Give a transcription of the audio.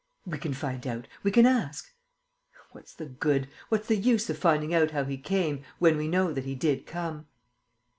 "We can find out ... we can ask...." "What's the good? What's the use of finding out how he came, when we know that he did come?"